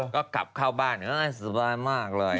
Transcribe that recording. ก็กลับเข้าบ้านสบายมากเลย